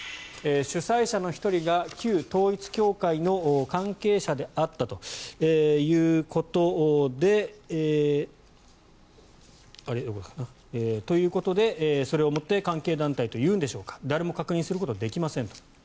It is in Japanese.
主催者の１人が旧統一教会の関係者であったということでそれをもって関係団体というんでしょうか誰も確認することはできません。